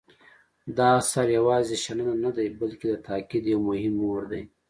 دا اثر یوازې شننه نه دی بلکې د تاکید یو مهم مهر دی.